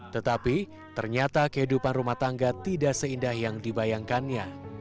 tetapi ternyata kehidupan rumah tangga tidak seindah yang dibayangkannya